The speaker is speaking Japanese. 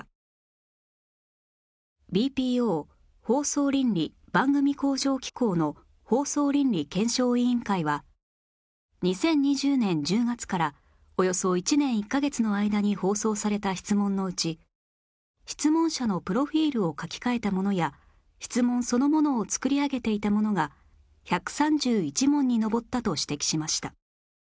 ＢＰＯ 放送倫理・番組向上機構の放送倫理検証委員会は２０２０年１０月からおよそ１年１カ月の間に放送された質問のうち質問者のプロフィルを書き換えたものや質問そのものを作り上げていたものが１３１問に上ったと指摘しました